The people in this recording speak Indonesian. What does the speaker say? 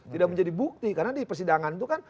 tidak menjadi bukti karena di persidangan itu kan